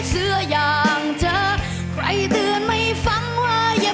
เสียงอยู่ใส่เสียงอยู่ใส่